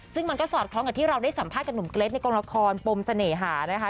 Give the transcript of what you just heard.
ซึ่งมันก็สอดคล้องกับที่เราได้สัมภาษณ์หนุ่มเกรทในกองละครปมเสน่หานะคะ